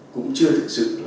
cũng chưa thực sự